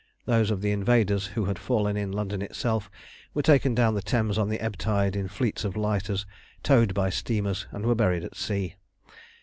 Those of the invaders who had fallen in London itself were taken down the Thames on the ebb tide in fleets of lighters, towed by steamers, and were buried at sea.